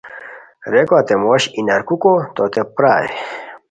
ریکو ہتے موش ای نرکوکو توت پرائے